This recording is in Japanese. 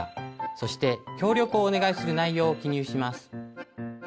そして協力をお願いする内容を記入します。